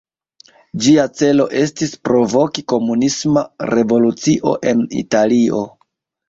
Ĝia celo estis provoki komunisma revolucio en Italio.